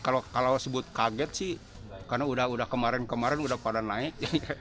kalau sebut kaget sih karena udah kemarin kemarin udah pada naik